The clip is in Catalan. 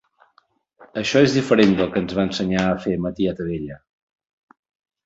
Això és diferent del que ens va ensenyar a fer ma tieta vella.